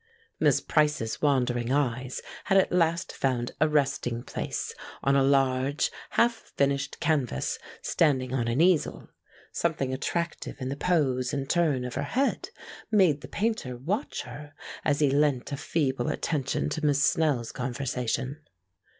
Miss Price's wandering eyes had at last found a resting place on a large, half finished canvas standing on an easel. Something attractive in the pose and turn of her head made the Painter watch her as he lent a feeble attention to Miss Snell's conversation.